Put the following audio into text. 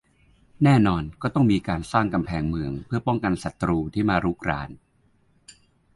แน่นอนก็ต้องมีการสร้างกำแพงเมืองเผื่อป้องกันศัตรูที่มารุกราน